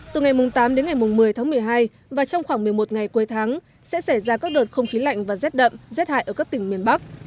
từ ngày tám đến ngày một mươi tháng một mươi hai và trong khoảng một mươi một ngày cuối tháng sẽ xảy ra các đợt không khí lạnh và rét đậm rét hại ở các tỉnh miền bắc